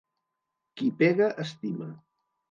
Qui pega, estima.